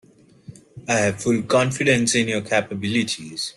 I have full confidence in your capabilities.